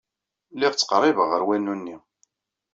Lliɣ ttqerribeɣ ɣer wanu-nni.